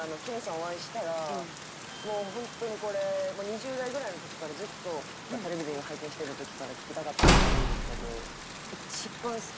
お会いしたらもうホントにこれ２０代ぐらいの時からずっとテレビで拝見してた時から聞きたかった事あるんですけど。